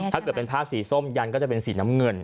ถ้าเกิดเป็นผ้าสีส้มยันก็จะเป็นสีน้ำเงิน